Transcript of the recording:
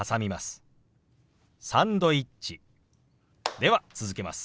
では続けます。